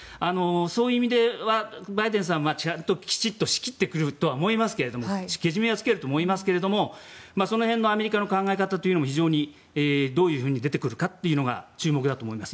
そういう意味ではバイデンさんはちゃんときちっと仕切ってくれるとは思いますがけじめはつけると思いますがその辺のアメリカの考え方も非常にどういうふうに出てくるかが注目だと思います。